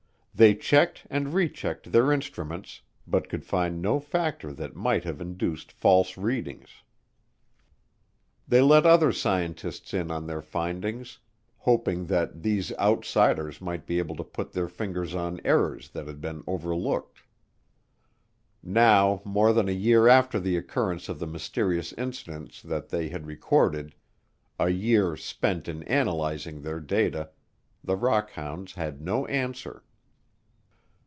They checked and rechecked their instruments, but could find no factor that might have induced false readings. They let other scientists in on their findings, hoping that these outsiders might be able to put their fingers on errors that had been overlooked. Now, more than a year after the occurrence of the mysterious incidents that they had recorded, a year spent in analyzing their data, the "rock hounds" had no answer.